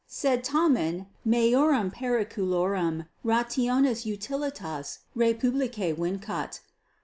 Sed tamen meorum periculorum rationes utilitas rei publicae vincat.